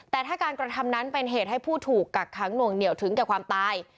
แต่ถ้าการกระทำนั้นเป็นเหตุให้ผู้ถูกกักขังหน่วงเหนียวถึงแก่ความตาย